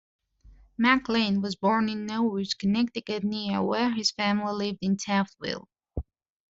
Mac Lane was born in Norwich, Connecticut, near where his family lived in Taftville.